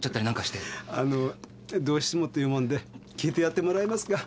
あの「どうしても」って言うもんで聞いてやってもらえますか？